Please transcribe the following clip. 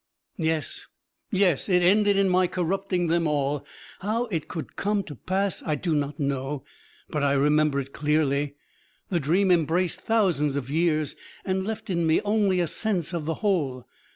V Yes, yes, it ended in my corrupting them all! How it could come to pass I do not know, but I remember it clearly. The dream embraced thousands of years and left in me only a sense of the whole.